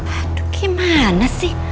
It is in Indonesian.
aduh gimana sih